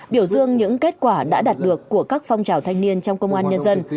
biểu dương những kết quả đã đạt được của các phong trào thanh niên trong công an nhân dân